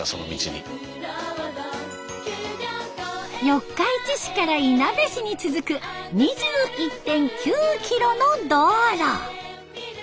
四日市市からいなべ市に続く２１．９キロの道路。